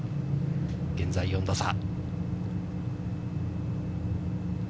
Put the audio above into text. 現在４打差。